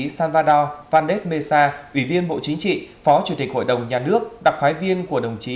salvador vandes mesa ủy viên bộ chính trị phó chủ tịch hội đồng nhà nước đặc phái viên của đồng chí